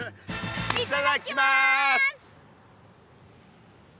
いただきます！